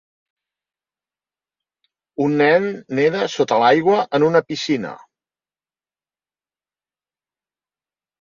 Un nen neda sota l'aigua en una piscina.